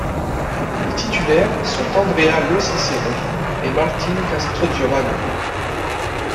Les titulaires sont Andrea Lo Cicero et Martín Castrogiovanni.